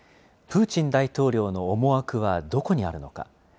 プーチン大統領の思惑はどこにあるのか。